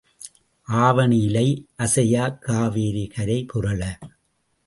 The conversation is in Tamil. ஆவணி இலை அசையக் காவேரி கரை புரள.